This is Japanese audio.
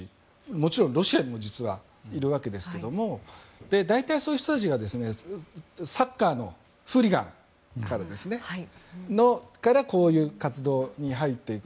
もちろんロシアにも実はいるわけですけれど大体、そういう人たちがサッカーのフーリガンからこういう活動に入っていく。